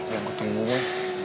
yang gue tunggu gue